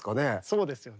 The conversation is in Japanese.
そうですよね。